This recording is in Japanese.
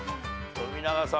富永さん